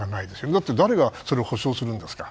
だって誰がそれを保障するんですか。